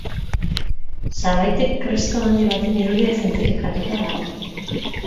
Sabaitik Kristo handi baten irudia zintzilikatua dago.